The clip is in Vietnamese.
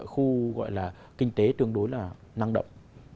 khu gọi là kinh tế tương đối là năng động